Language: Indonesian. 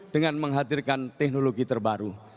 dengan menghadirkan teknologi terbaru